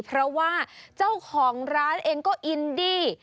เพราะว่าเจ้าของร้านเองก็อินดี